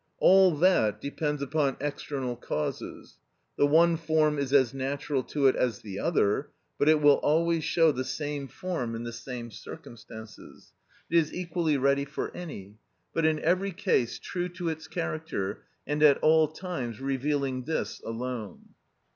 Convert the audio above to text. All that depends upon external causes; the one form is as natural to it as the other, but it will always show the same form in the same circumstances; it is equally ready for any, but in every case true to its character, and at all times revealing this alone.